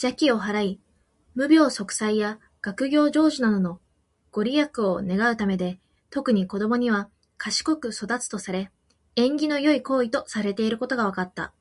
邪気を払い、無病息災や学業成就などのご利益を願うためで、特に子どもには「賢く育つ」とされ、縁起の良い行為とされていることが分かった。